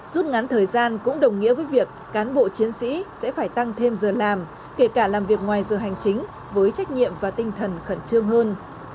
rút ngắn thời gian cũng đồng nghĩa với việc cán bộ chiến sĩ sẽ phải tăng thêm giờ làm kể cả làm việc ngoài giờ hành chính với trách nhiệm và tinh thần khẩn trương hơn